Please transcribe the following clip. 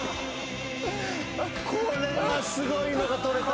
これはすごいのが撮れた。